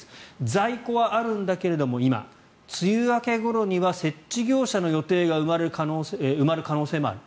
在庫は今はあるんですが梅雨明けごろには設置業者の予定が埋まる可能性もある。